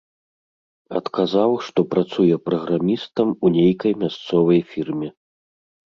Адказаў, што працуе праграмістам у нейкай мясцовай фірме.